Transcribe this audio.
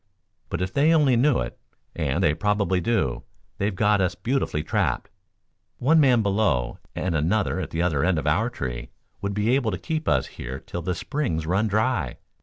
But, if they only knew it, and they probably do, they've got us beautifully trapped. One man below and another at the other end of our tree would be able to keep us here till the springs run dry.